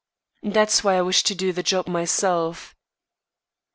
"That's why I wish to do the job my self."